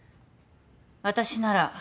私なら。